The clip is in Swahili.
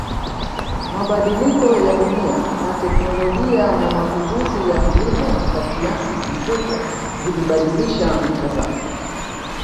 Mabadiliko ya dunia na teknolijia na mapinduzi ya kilimo kwa kiasi kikubwa zilibadilisha mtazamo